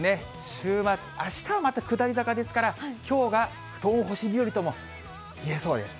週末、あしたはまた下り坂ですから、きょうが布団干し日和ともいえそうです。